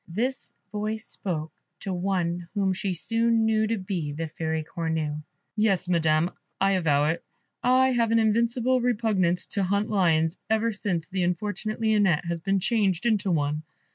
This voice spoke to one whom she soon knew to be the Fairy Cornue. "Yes, Madam, I avow it. I have an invincible repugnance to hunt lions ever since the unfortunate Lionette has been changed into one.